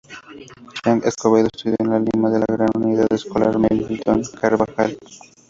Chang Escobedo estudió en Lima, en la Gran Unidad Escolar Melitón Carvajal.